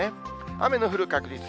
雨の降る確率。